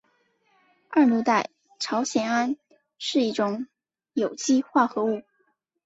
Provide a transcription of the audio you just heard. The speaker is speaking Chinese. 二硫代草酰胺是一种有机化合物。